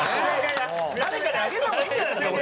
誰かにあげた方がいいんじゃないですか？